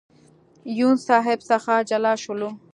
یون صاحب څخه جلا شولو.